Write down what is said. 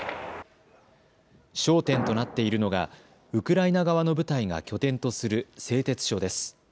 焦点となっているのがウクライナ側の部隊が拠点とする製鉄所です。